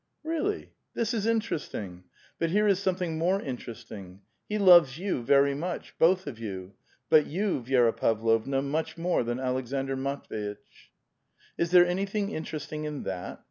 " Really, this is interesting ! But here is something more interesting: he loves you very much — both of you ; but you, Vi^ra Pavlovna, much more than Aleksandr Matv^itch." "Is there anything interesting in that?